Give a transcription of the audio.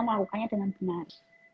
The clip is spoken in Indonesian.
melakukannya dengan benar